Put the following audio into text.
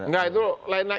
enggak itu lainnya